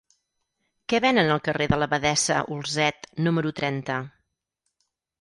Què venen al carrer de l'Abadessa Olzet número trenta?